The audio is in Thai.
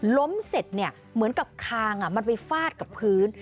ล้มเสร็จเนี่ยเหมือนกับคางมันไปฟาดกับพื้น